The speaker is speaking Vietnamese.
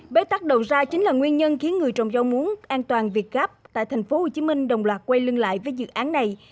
bế tắc đầu ra chính là nguyên nhân khiến người trồng rau muống an toàn việt cáp tại tp hcm đồng loạt quay lưng lại với dự án này